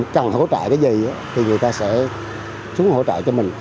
cần hỗ trợ cái gì thì người ta sẽ xuống hỗ trợ cho mình